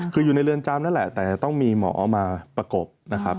คืออยู่ในเรือนจามนั่นแหละแต่ต้องมีหมาประกบ